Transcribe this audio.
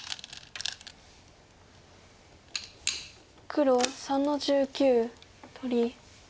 黒３の十九取り。